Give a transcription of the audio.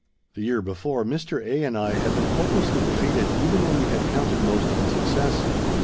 The year before, Mr. A. and I had been hopelessly defeated even when we had counted most on success.